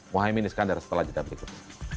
mohaimin iskandar setelah jeda berikut